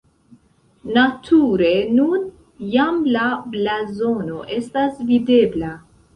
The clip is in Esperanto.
Nature nun jam la blazono estas videbla.